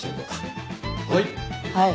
はい！